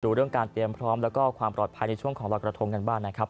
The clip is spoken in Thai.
เรื่องการเตรียมพร้อมแล้วก็ความปลอดภัยในช่วงของรอยกระทงกันบ้างนะครับ